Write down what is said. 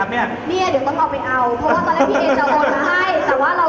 ป๊าป๊านิดนึงป๊าป๊านิดนึง